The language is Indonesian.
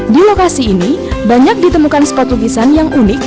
di lokasi ini banyak ditemukan sepatu lukisan yang unik